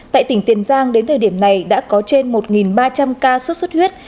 tại tỉnh tiền giang đến thời điểm này đã có trên một ba trăm linh ca sốt xuất huyết